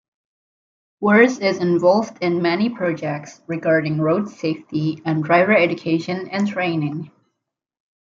Wurz is involved in many projects regarding road safety and driver education and training.